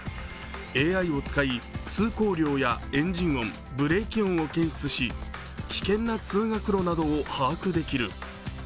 ＡＩを使い通行音やブレーキ音を検出し、危険な通学路などを把握できる。